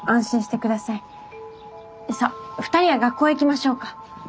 さあ２人は学校へ行きましょうか。